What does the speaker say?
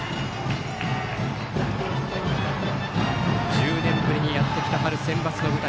１０年ぶりにやってきた春センバツの舞台